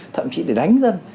thậm chí để đánh dân